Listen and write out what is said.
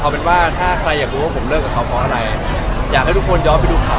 บางคนคือเขาไม่ทรมานว่า